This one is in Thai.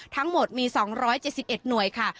ทั้งหมดมี๒๗๑หน่วยค่ะ